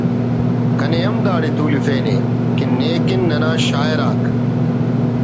کنے ہم داڑے تولفینے کہ نے کن ننا شاعرک